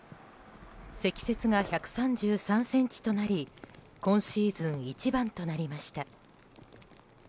積雪が１３３ｃｍとなり今シーズン一番となりました。